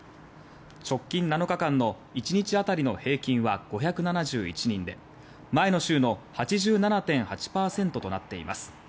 直近７日間の１日当たりの平均は５７１人で前の週の８７．８％となっています。